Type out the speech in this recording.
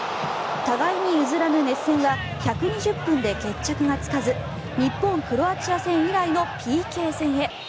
互いに譲らぬ熱戦は１２０分で決着がつかず日本対クロアチア戦以来のＰＫ戦へ。